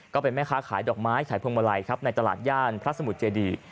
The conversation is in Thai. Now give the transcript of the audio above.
ก็เป็นแม่ค้าขายดอกไม้ขายพวงมาลัยครับในตลาดย่านพระสมุทรเจดี